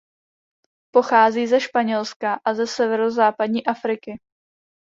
Pochází ze Španělska a ze severozápadní Afriky.